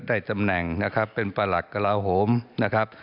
ได้ตำแหน่งนะครับเป็นประหลักกระลาโหมนะครับ